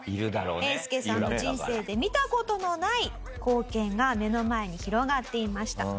えーすけさんの人生で見た事のない光景が目の前に広がっていました。